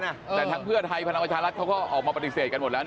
แต่ทางเพื่อไทยพลังประชารัฐเขาก็ออกมาปฏิเสธกันหมดแล้ว